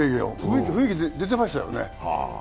雰囲気出ていましたよね。